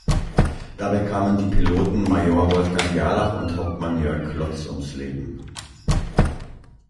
Dabei kamen die Piloten Major Wolfgang Gerlach und Hauptmann Jörg Klotz ums Leben.